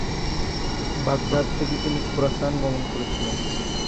Baghdad থেকে তিনি Khorasan গমন করেছিলেন।